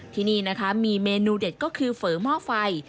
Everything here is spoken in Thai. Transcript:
ที่นี่นะคะมีเมนูเด็ดก็คือเฝอหม้อไฟ